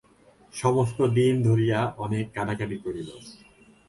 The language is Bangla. সমস্ত দিন ধরিয়া অনেক কাঁদাকাটি করিল।